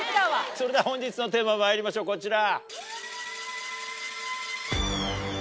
それでは本日のテーマまいりましょうこちら。